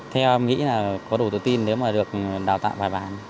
theo em nghĩ là có đủ tự tin nếu mà được đào tạo bài bản